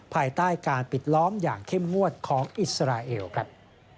ภายใต้การปิดล้อมอย่างเข้มงวดของอิสราเอลครับ